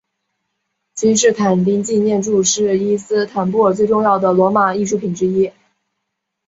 君士坦丁纪念柱是伊斯坦布尔最重要的罗马艺术品之一。